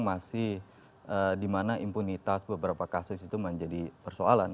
masih dimana impunitas beberapa kasus itu menjadi persoalan